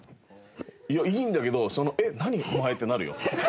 いやいいんだけどその「えっ何？お前」ってなるよ。